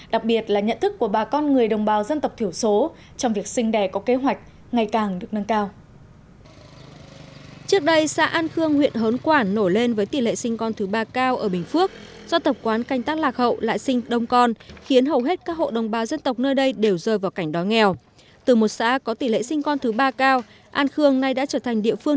đặc biệt là nhận thức của bà con người đồng bào dân tộc thiểu số trong việc sinh đẻ có kế hoạch ngày càng được nâng cao